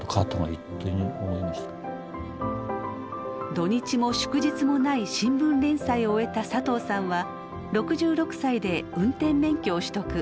土日も祝日もない新聞連載を終えたサトウさんは６６歳で運転免許を取得。